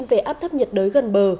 về áp thấp nhiệt đới gần bờ